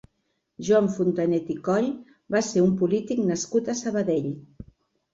Joan Fontanet i Coll va ser un polític nascut a Sabadell.